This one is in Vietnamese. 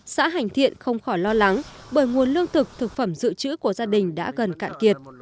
xã hành thiện không khỏi lo lắng bởi nguồn lương thực thực phẩm dự trữ của gia đình đã gần cạn kiệt